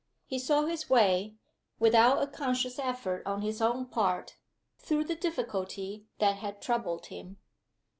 He saw his way, without a conscious effort on his own part, through the difficulty that had troubled him.